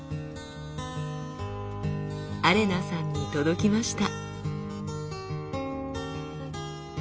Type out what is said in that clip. アレナさんに届きました。